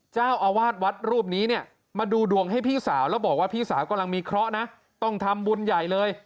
เจ้าอาวาสวัดรูปนี้เนี่ยมาดูดวงให้พี่สาวแล้วบอกว่าพี่สาวกำลังมีเคราะห์นะต้องทำบุญใหญ่เลย